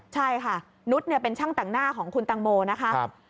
ใช่ค่ะนุษย์เป็นช่างแต่งหน้าของคุณตังโมนะคะ